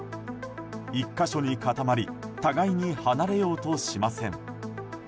１か所に固まり互いに離れようとしません。